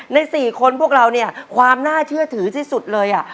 ใน๔คนพวกเราเนี่ยความน่าเชื่อถือที่สุดเลย